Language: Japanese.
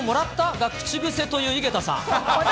が口癖という井桁さん。